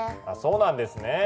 あっそうなんですね。